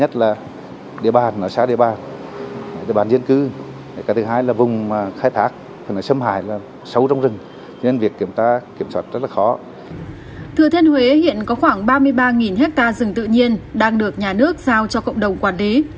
thừa thiên huế hiện có khoảng ba mươi ba hectare rừng tự nhiên đang được nhà nước giao cho cộng đồng quản lý